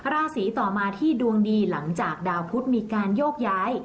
ราศีต่อมาที่ดวงดีหลังจากดาวพุทธมีการโยกย้าย